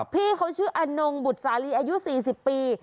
พี่เขาชื่ออนงบุตรสาลีอายุ๔๐ปี